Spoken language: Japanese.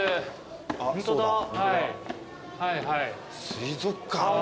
水族館。